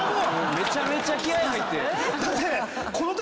めちゃめちゃ気合入って。